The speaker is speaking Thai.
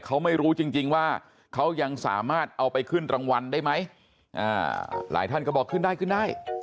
เขาไม่รู้จริงว่าเขายังสามารถเอาไปขึ้นรางวัลได้ไหมหลายท่านก็บอกขึ้นได้ขึ้นได้